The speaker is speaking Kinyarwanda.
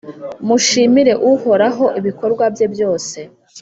mushimire Uhoraho ibikorwa bye byose.